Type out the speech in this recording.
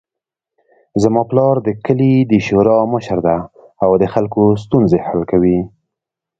زما پلار د کلي د شورا مشر ده او د خلکو ستونزې حل کوي